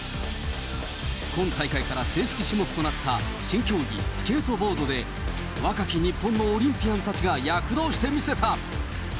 今大会から正式種目となった、新競技、スケートボードで、若き日本のオリンピアンたちが躍動して見せた。